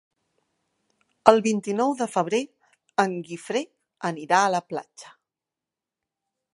El vint-i-nou de febrer en Guifré anirà a la platja.